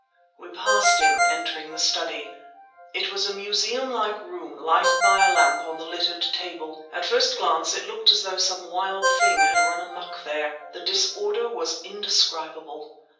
We passed him, entering the study. It was a museum like room, lighted by a lamp on the littered table. At first glance it looked as though some wild thing had run amok there. The disorder was indescribable.